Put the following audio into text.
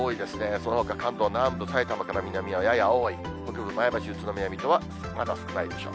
そのほか、関東南部、さいたまから南はやや多い、前橋、水戸はすくないでしょう。